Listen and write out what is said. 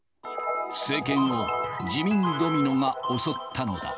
政権を辞任ドミノが襲ったのだ。